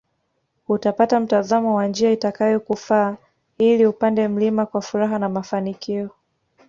Utapata mtazamo wa njia itakayokufaa ili upande mlima kwa furaha na mafanikio